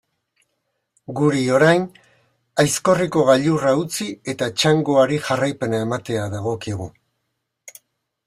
Guri, orain, Aizkorriko gailurra utzi eta txangoari jarraipena ematea dagokigu.